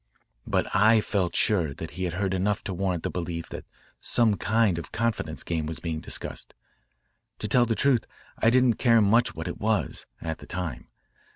"But I felt sure that he had heard enough to warrant the belief that some kind of confidence game was being discussed. To tell the truth I didn't care much what it was, at the time.